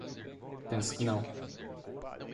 Penso que não.